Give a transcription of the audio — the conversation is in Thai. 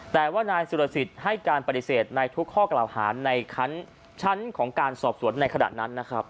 แต่ว่านายสุรสิทธิ์ให้การปฏิเสธในทุกข้อกล่าวหาในชั้นของการสอบสวนในขณะนั้นนะครับ